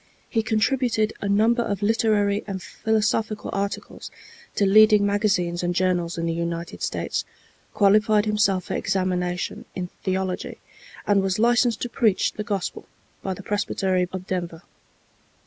He contributed a number of literary and philosophical articles to leading magazines and journals in the United States, qualified himself for examination in theology, and was licensed to preach the Gospel by the Presbytery of Denver.